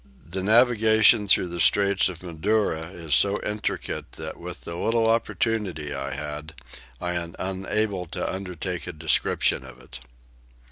The navigation through the Straits of Madura is so intricate that with the little opportunity I had I am unable to undertake a description of it.